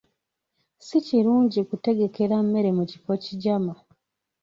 Si kirungi kutegekera mmere mu kifo kigyama.